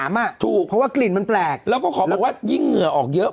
พูดนะฮะแล้วก็ขอบะว่ายิ่งเหงือออกเยอะ